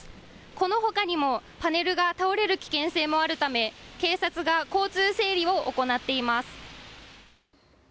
このほかにもパネルが倒れる危険性もあるため警察が交通整理を行っています。